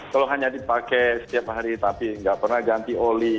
kalau hanya dipakai setiap hari tapi nggak pernah ganti oli